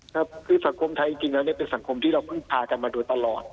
ครับคือสังคมไทยจริงแล้วเนี่ยเป็นสังคมที่เราเพิ่งพากันมาโดยตลอด